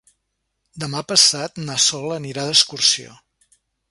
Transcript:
Demà passat na Sol anirà d'excursió.